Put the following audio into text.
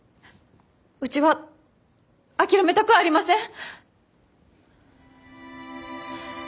うちは諦めたくありません。